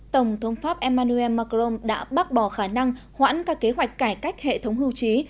tổng thống pháp emmanuel macron đã bác bỏ khả năng hoãn các kế hoạch cải cách hệ thống hưu trí